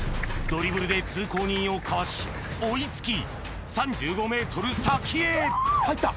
ドリブルで通行人をかわし追い付き３５ｍ先へ・入った？